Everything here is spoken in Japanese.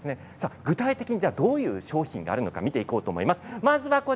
具体的にどういう商品があるのか見ていこうと思います。